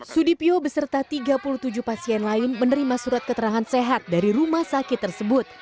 sudipyo beserta tiga puluh tujuh pasien lain menerima surat keterangan sehat dari rumah sakit tersebut